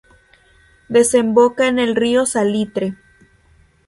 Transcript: Desemboca en el río Salitre.